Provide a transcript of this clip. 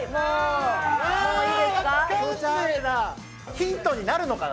ヒントになるのかな？